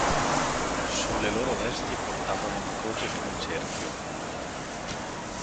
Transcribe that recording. Sulle loro vesti portavano una croce su un cerchio.